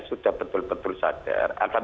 sudah betul betul sadar akan